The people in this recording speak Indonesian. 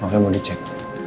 makanya mau dicek